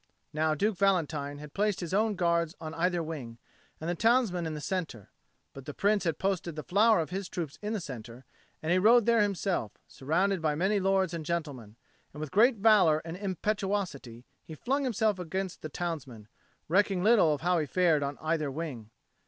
Now Duke Valentine had placed his own guards on either wing, and the townsmen in the centre; but the Prince had posted the flower of his troops in the centre; and he rode there himself, surrounded by many lords and gentlemen; and with great valour and impetuosity he flung himself against the townsmen, recking little of how he fared on either wing.